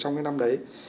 trong cái năm đấy